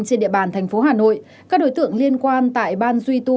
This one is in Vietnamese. trên địa bàn tp hà nội các đối tượng liên quan tại ban duy tu